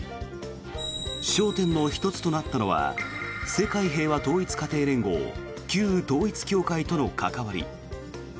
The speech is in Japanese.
焦点の１つとなったのは世界平和統一家庭連合旧統一教会との関わり。